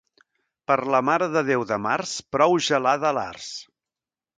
Per la Mare de Déu de març prou gelada a l'arç.